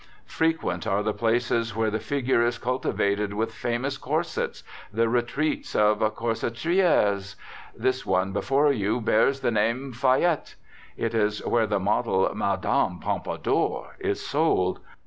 Frequent are the places where the figure is cultivated with famous corsets, the retreats of "corsetieres"; this one before you bears the name Fayette; it is where the model "Madame Pompadour" is sold.